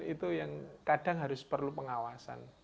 itu yang kadang harus perlu pengawasan